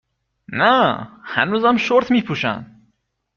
نه ، هنوزم شرت می پوشن